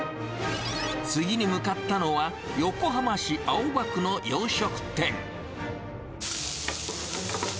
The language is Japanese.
次に向かったのは横浜市青葉区の洋食店。